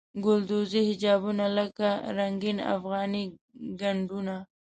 ګلدوزي حجابونه لکه رنګین افغاني ګنډونه.